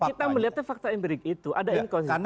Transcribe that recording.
kita melihatnya fakta empirik itu ada inkonsistensi